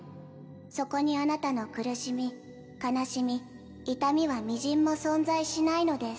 そこにあなたの苦しみ悲しみ痛みはみじんも存在しないのです・